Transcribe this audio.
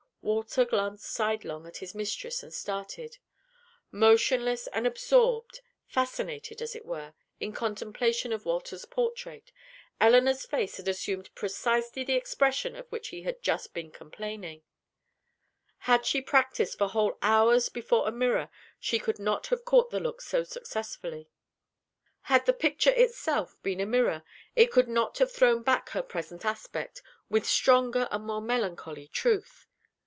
Walter glanced sidelong at his mistress and started. Motionless and absorbed fascinated as it were in contemplation of Walter's portrait, Elinor's face had assumed precisely the expression of which he had just been complaining. Had she practiced for whole hours before a mirror, she could not have caught the look so successfully. Had the picture itself been a mirror, it could not have thrown back her present aspect, with stronger and more melancholy truth.